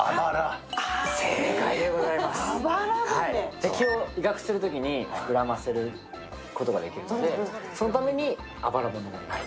敵を威嚇するときに膨らませることができるのでそのために、あばら骨がない。